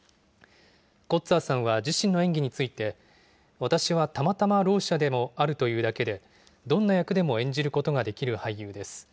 コッツァーさんは自身の演技について、私はたまたまろう者でもあるというだけで、どんな役でも演じることができる俳優です。